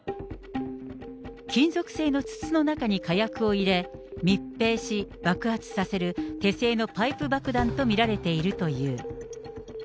金属製の筒の中に火薬を入れ、密閉し、爆発させる手製のパイプ爆弾と見られているという。